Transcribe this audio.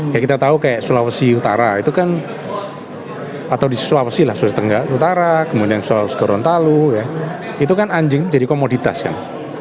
ya kita tahu kayak sulawesi utara itu kan atau di sulawesi lah sulawesi tenggara utara kemudian sulawesi gorontalo ya itu kan anjing itu jadi komoditas kan